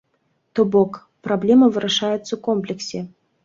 То бок, праблема вырашаецца ў комплексе.